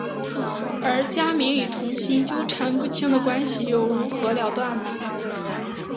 而家明与童昕纠缠不清的关系又如何了断呢？